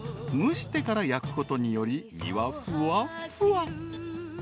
［蒸してから焼くことにより身はふわふわ］